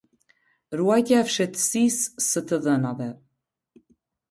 Ruajtja e fshehtësisë së të dhënave.